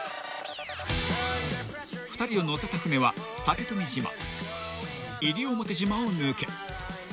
［２人を乗せた船は竹富島西表島を抜け